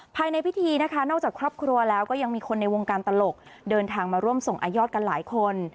ภายในพิธีนะคะนอกจากครอบครัวแล้วก็ยังมีคนในวงการตลกเดินทางมาร่วมส่งอายอดกันหลายคน